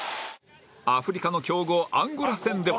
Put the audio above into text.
アフリカの強豪アンゴラ戦では